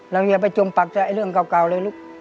อย่าไปจมปักใจเรื่องเก่าเลยลูก